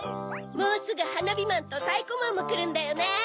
もうすぐはなびまんとタイコマンもくるんだよね。